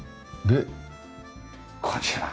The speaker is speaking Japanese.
でこちら。